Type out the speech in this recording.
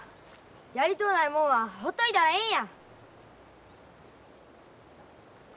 やりとうないもんはほっといたらええんや！